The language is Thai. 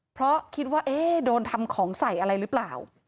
เพราะคิดว่าเอ๊ะโดนทำของใส่อะไรหรือเปล่า